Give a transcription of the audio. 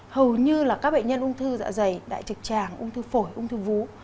hầu như là các bệnh nhân ung thư dạ dày đại trực tràng ung thư phổi ung thư vú